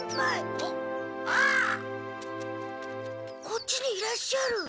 こっちにいらっしゃる。